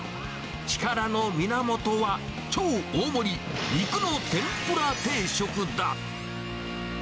力の源は、超大盛り肉の天ぷら定食だ。